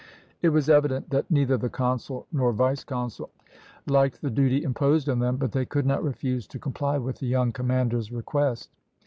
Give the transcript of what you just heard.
It was evident that neither the consul nor vice consul liked the duty imposed on them, but they could not refuse to comply with the young commander's request.